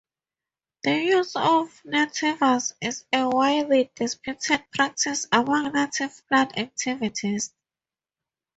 The use of nativars is a widely disputed practice among native plant activists.